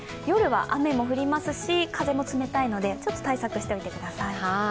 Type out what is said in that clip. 夜は雨も降りますし、風も冷たいので、ちょっと対策しておいてください。